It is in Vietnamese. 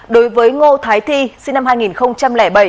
đối với ngô thái thi sinh năm hai nghìn bảy